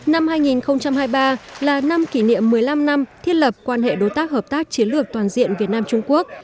năm hai nghìn hai mươi ba là năm kỷ niệm một mươi năm năm thiết lập quan hệ đối tác hợp tác chiến lược toàn diện việt nam trung quốc